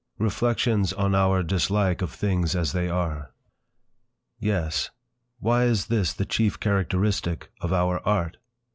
1906. REFLECTIONS ON OUR DISLIKE OF THINGS AS THEY ARE Yes! Why is this the chief characteristic of our art?